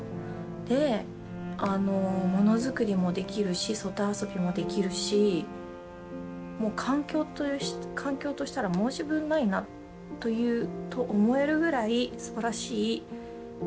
でもの作りもできるし外遊びもできるし環境としたら申し分ないなと思えるぐらいすばらしい環境でした。